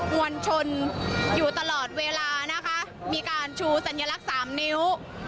มวลชนอยู่ตลอดเวลานะคะมีการชูสัญลักษณ์สามนิ้ว